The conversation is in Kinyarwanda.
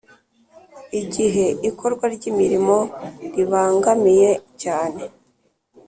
Igihe ikorwa ry'imirimo ribangamiye cyane